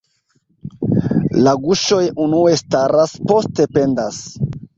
La guŝoj unue staras, poste pendas.